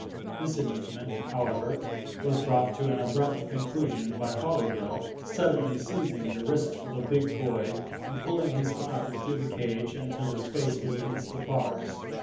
This amusement, however, was brought to an abrupt conclusion by Fothergill suddenly seizing the wrist of a big boy and pulling his arm through the cage until his face was against the bars.